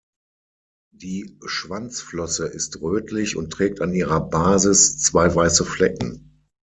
Die Schwanzflosse ist rötlich und trägt an ihrer Basis zwei weiße Flecken.